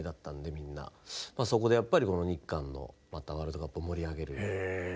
そこでやっぱり日韓のワールドカップを盛り上げる。